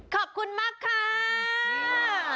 ขอบคุณมากค่ะ